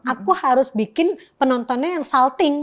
aku harus bikin penontonnya yang solting